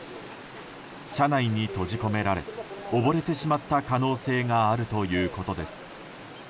車内に閉じ込められ溺れてしまった可能性があるということです。